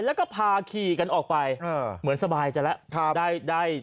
แล้วก็พาขี่กันออกไปเออเหมือนสบายจริงใช่เปล่าค่ะได้ได้